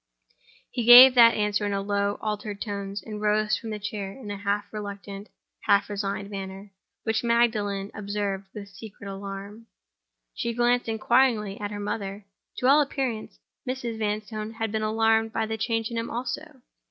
He gave that answer in low, altered tones; and rose from his chair in a half reluctant, half resigned manner, which Magdalen observed with secret alarm. She glanced inquiringly at her mother. To all appearance, Mrs. Vanstone had been alarmed by the change in him also.